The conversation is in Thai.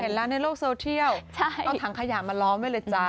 แล้วในโลกโซเทียลเอาถังขยะมาล้อมไว้เลยจ้า